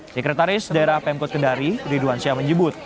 sekretaris daerah pemkot kendari ridwan syah menyebut